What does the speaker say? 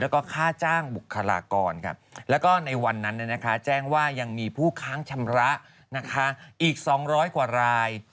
แล้วก็ค่าจ้างบุคลากรแล้วก็ในวันนั้นแจ้งว่ายังมีผู้ค้างชำระอีก๒๐๐กว่าราย